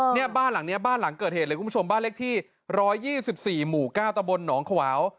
ใช่นี่บ้านหลังเกิดเหตุเลยคุณผู้ชมบ้านเล็กที่๑๒๔หมู่๙ตะบลหนองขวาว